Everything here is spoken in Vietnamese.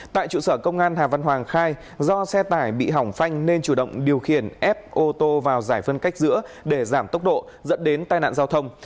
tại trụ sở công an hà văn hoàng khai do xe tải bị hỏng phanh nên chủ động điều khiển ép ô tô vào giải phân cách giữa để giảm tốc độ dẫn đến tai nạn giao thông